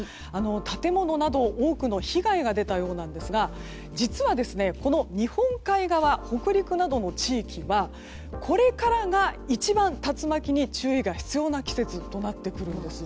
建物など多くの被害が出たようなんですが実は、この日本海側北陸などの地域はこれからが一番竜巻に注意が必要な季節となってくるんです。